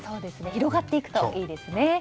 広がっていくといいですね。